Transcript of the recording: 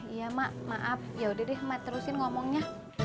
iya mak maaf yaudah deh mat terusin ngomongnya